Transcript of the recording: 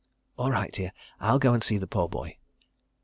"All right, dear. I'll go and see the poor boy."